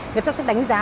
người ta sẽ đánh giá